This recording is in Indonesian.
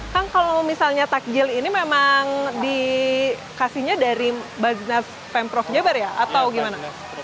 kan kalau misalnya takjil ini memang dikasihnya dari bajnes femprov jabar ya atau gimana